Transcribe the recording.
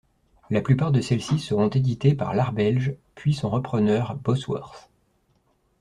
La plupart de celles-ci seront éditées par L'Art Belge puis son repreneur Bosworth.